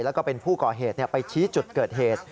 แล้วก็เป็นผู้ก่อเหตุไปชี้จุดเกิดเหตุ